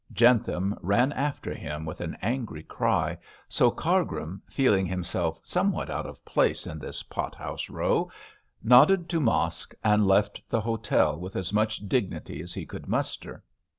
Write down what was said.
Jentham ran after him with an angry cry, so Cargrim, feeling himself somewhat out of place in this pot house row, nodded to Mosk and left the hotel with as much dignity as he could muster.